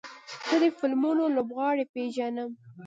زه د فلمونو لوبغاړي پیژنم.